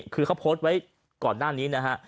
คือเขาโพสต์ไว้ก่อนหน้านี้นะฮะ